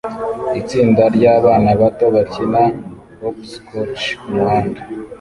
Itsinda ryabana bato bakina hopscotch kumuhanda